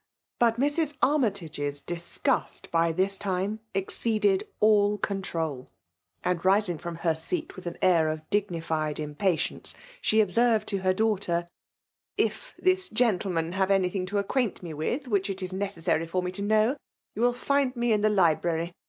But Mrs. Armytage*8 disgust by this time exceeded all control; and, rising from h&t seal with an air of ^gnified impatience, she ob« sanred to her daughter —'* If this gentleman have anything to acquaint me with, which it it neeesaary fior me to haow, you will find me in the library.